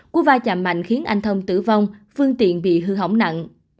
cú va chạm mạnh khiến anh thông tử vong phương tiện bị hư hỏng nặng